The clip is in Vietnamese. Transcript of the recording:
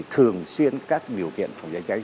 thường xuyên các điều kiện phòng cháy cháy